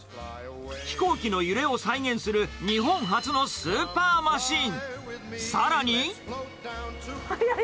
飛行機の揺れを再現する日本発のスーパーマシン。